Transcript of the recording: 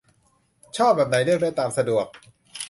ชอบแบบไหนเลือกได้ตามสะดวก